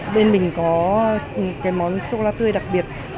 bên mình có cái món sô cô la tươi đặc biệt